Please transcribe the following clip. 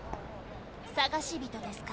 捜し人ですか？